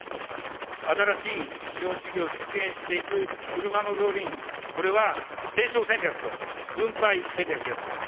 新しい資本主義を実現していく車の両輪、これは成長戦略と分配戦略です。